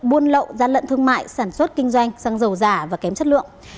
buôn lậu gian lận thương mại sản xuất kinh doanh xăng dầu giả và kém chất lượng